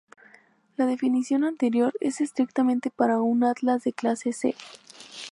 La definición anterior es estrictamente para un atlas de clase "C".